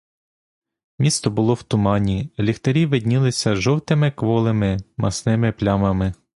Місто було в тумані, ліхтарі виднілися жовтими кволими масними плямами.